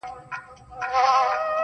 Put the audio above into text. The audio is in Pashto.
چي ته مي غاړه پرې کوې زور پر چاړه تېرېږي-